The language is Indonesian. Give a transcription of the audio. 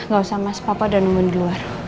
gak usah mas papa udah nungguin di luar